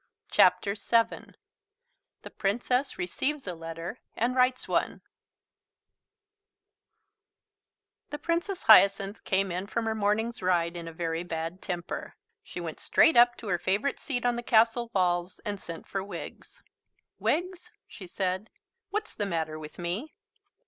CHAPTER VII THE PRINCESS RECEIVES A LETTER AND WRITES ONE The Princess Hyacinth came in from her morning's ride in a very bad temper. She went straight up to her favourite seat on the castle walls and sent for Wiggs. "Wiggs," she said, "what's the matter with me?"